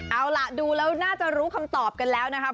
เอาล่ะดูแล้วน่าจะรู้คำตอบกันแล้วนะครับ